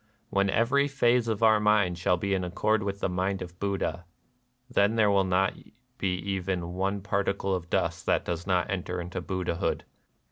When every phase of our mind shall be in accord with the mind of Buddha, ... then there will not be even one particle of dust that does not enter into Buddhahood."